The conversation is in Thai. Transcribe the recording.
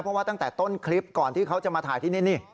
เพราะว่าตั้งแต่ต้นคลิปก่อนที่เขาจะมาถ่ายที่นี่